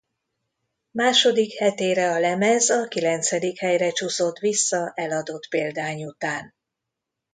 Második hetére a lemez a kilencedik helyre csúszott vissza eladott példány után.